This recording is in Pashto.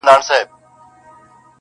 د جهاني د ګل ګېډیو وطن،